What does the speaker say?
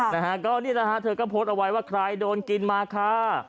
นะฮะก็นี่แหละฮะเธอก็โพสต์เอาไว้ว่าใครโดนกินมาค่ะ